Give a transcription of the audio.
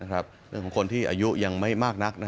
และคนที่อายุยังไม่มากนัก